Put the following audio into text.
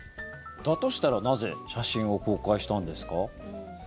だとしたらなぜ写真を公開したんですか？